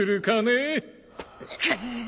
くっ。